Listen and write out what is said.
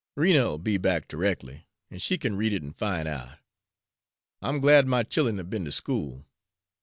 Rena'll be back terreckly, an' she kin read it an' find out. I'm glad my child'en have be'n to school.